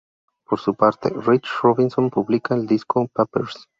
Por su parte, Rich Robinson publica el disco "Papers".